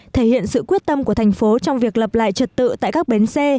thể hiện sự quyết tâm của thành phố trong việc lập lại trật tự tại các bến xe